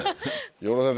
養老先生